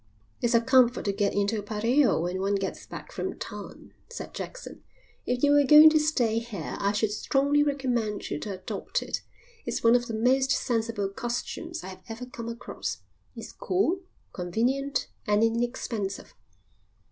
"It's a comfort to get into a pareo when one gets back from town," said Jackson. "If you were going to stay here I should strongly recommend you to adopt it. It's one of the most sensible costumes I have ever come across. It's cool, convenient, and inexpensive."